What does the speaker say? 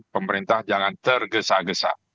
pemerintah jangan tergesa gesa